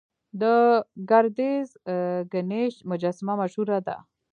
د ګردیز ګنیش مجسمه مشهوره ده